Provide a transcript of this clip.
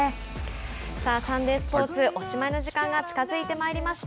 サンデースポーツおしまいの時間が近づいてまいりました。